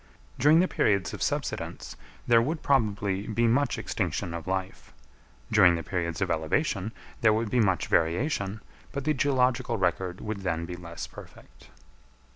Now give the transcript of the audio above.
During the periods of subsidence, there would probably be much extinction of life; during the periods of elevation, there would be much variation, but the geological record would then be less perfect.